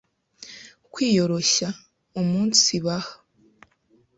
kwiyoroshya, umunsibaha